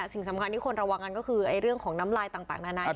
สิ่งสำคัญที่คนระวังกันก็คือเรื่องของน้ำลายต่างนานา